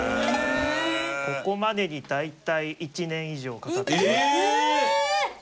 ここまでに大体１年以上かかってます。え！？